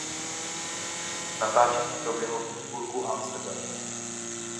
Natáčení proběhlo v Pittsburghu a Amsterdamu.